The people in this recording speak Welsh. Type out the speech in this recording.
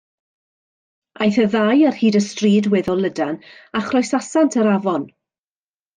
Aeth y ddau ar hyd ystryd weddol lydan, a chroesasant yr afon.